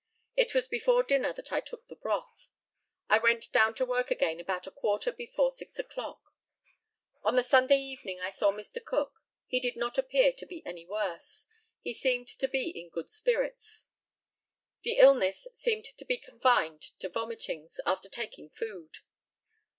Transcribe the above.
It was before dinner that I took the broth. I went down to work again about a quarter before 6 o'clock. On the Sunday evening I saw Mr. Cook; he did not appear to be any worse. He seemed to be in good spirits. The illness seemed to be confined to vomitings after taking food.